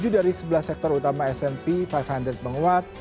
tujuh dari sebelas sektor utama smp lima menguat